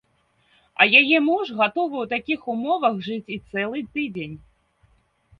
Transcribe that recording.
А яе муж гатовы ў такіх умовах жыць і цэлы тыдзень.